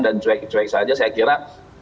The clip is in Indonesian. dan cuek cuek saja saya kira